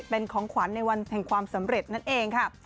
เป็นของขวัญในวันแห่งความสำเร็จนั่นเองค่ะ